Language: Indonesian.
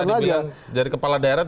tadi bilang jadi kepala daerah